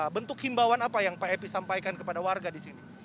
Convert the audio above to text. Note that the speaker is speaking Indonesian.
bentuk himbauan apa yang pak epi sampaikan kepada warga di sini